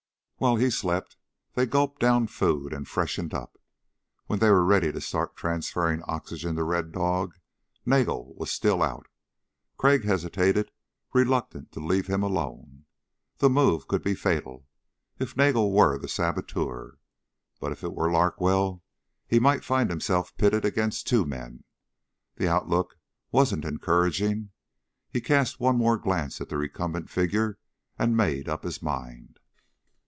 While he slept they gulped down food and freshened up. When they were ready to start transferring oxygen to Red Dog, Nagel was still out. Crag hesitated, reluctant to leave him alone. The move could be fatal if Nagel were the saboteur. But if it were Larkwell, he might find himself pitted against two men. The outlook wasn't encouraging. He cast one more glance at the recumbent figure and made up his mind.